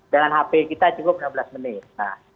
dengan hp kita cukup lima belas menit